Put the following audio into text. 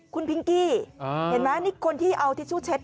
คุณพิงกี้เห็นไหมนี่คนที่เอาทิชชู่เช็ด